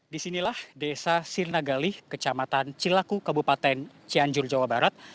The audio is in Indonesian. di sinilah desa sirna gali kecamatan cilaku kabupaten cianjur jawa barat